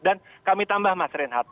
dan kami tambah mas reinhardt